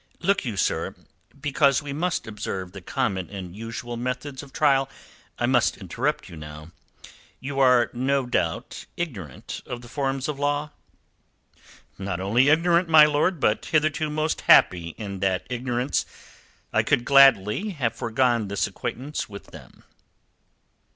"Look you, sir: because we must observe the common and usual methods of trial, I must interrupt you now. You are no doubt ignorant of the forms of law?" "Not only ignorant, my lord, but hitherto most happy in that ignorance. I could gladly have forgone this acquaintance with them."